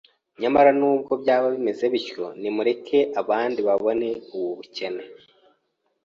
Nyamara n’ubwo byaba bimeze bityo nimureke abandi babone ubu bukene